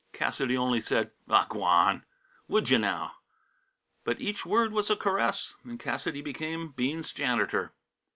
Cassidy only said, "Aw, g'wan! Would you, now!" But each word was a caress. And Cassidy became Bean's janitor.